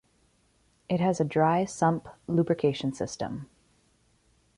It has a dry sump lubrication system.